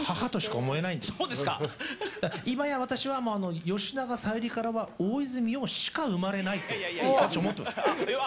今や私は吉永小百合からは大泉洋しか生まれないと思ってます。